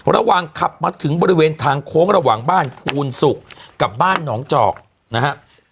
ระหว่างขับมาถึงบริเวณทางโค้งระหว่างบ้านภูนศุกร์กับบ้านหนองจอกนะครับ